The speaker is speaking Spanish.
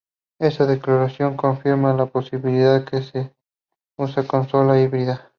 Esta declaración confirma la posibilidad de que sea una consola híbrida.